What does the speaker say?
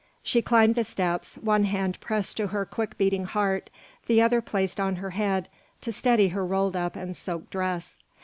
She climbed the steps, one hand pressed to her quick beating heart, the other placed on her head to steady her rolled up and soaked dress.